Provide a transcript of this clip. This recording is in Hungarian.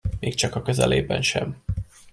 Még csak a közelében sem.